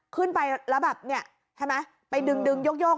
ขึ้นไปแล้วแบบเนี่ยไปดึงยก